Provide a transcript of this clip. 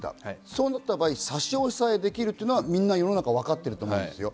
そうなった場合、差し押さえできるというのは、みんな分かっていると思うんです。